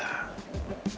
kalau kamu dan sila